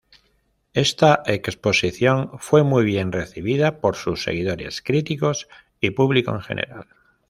Esta exposición fue muy bien recibida por sus seguidores, críticos y público en general.